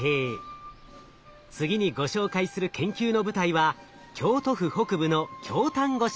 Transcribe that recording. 次にご紹介する研究の舞台は京都府北部の京丹後市。